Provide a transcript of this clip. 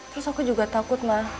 terus aku juga takut mah